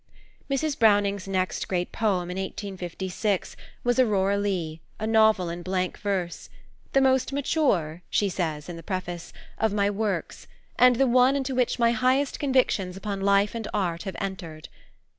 Mrs. Browning's next great poem, in 1856, was Aurora Leigh, a novel in blank verse, "the most mature," she says in the preface, "of my works, and the one into which my highest convictions upon Life and Art have entered."